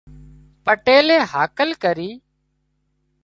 پٽيلئي هاڪل ڪرِي